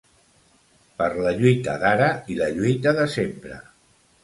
Per la lluita d’ara i la lluita de sempre.